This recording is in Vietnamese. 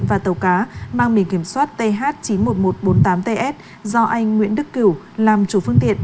và tàu cá mang biển kiểm soát th chín mươi một nghìn một trăm bốn mươi tám ts do anh nguyễn đức cửu làm chủ phương tiện